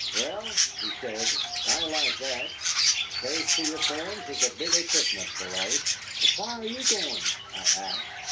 "Well," he said, "I like that. Faith to your friends is a big equipment for life." "But why are you going?" I asked.